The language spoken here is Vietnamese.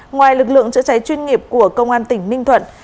ngoài lực lượng chữa cháy chuyên nghiệp của công an tỉnh ninh thuận